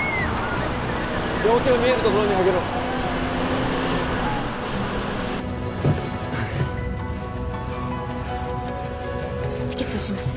両手を見えるところにあげろ止血します